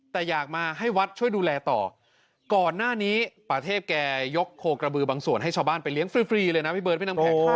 แต่อยากมาให้วัดช่วยดูแลต่อก่อนหน้านี้ป่าเทพแกยกโคกระบือบางส่วนให้ชาวบ้านไปเลี้ยฟรีเลยนะพี่เบิร์ดพี่น้ำแข็ง